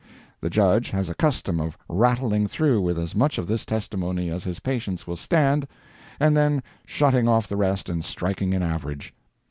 The judge has a custom of rattling through with as much of this testimony as his patience will stand, and then shutting off the rest and striking an average.